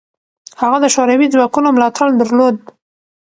هغه د شوروي ځواکونو ملاتړ درلود.